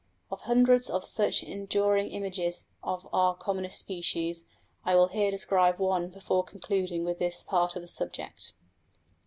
Of hundreds of such enduring images of our commonest species I will here describe one before concluding with this part of the subject.